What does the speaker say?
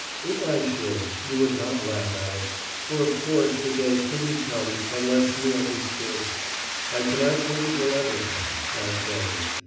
If it should, you would not laugh at it, for of course the day couldn't come unless you understood. I cannot think it will ever come that day!